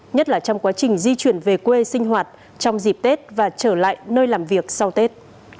nhất là trong quá trình di chuyển về quê sinh hoạt trong dịp tết và trở lại nơi làm việc sau tết